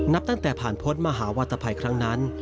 นับตั้งแต่ผ่านพ้นมหาวัตภัยครั้งนั้น